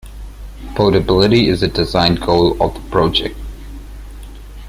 Portability is a design goal of the project.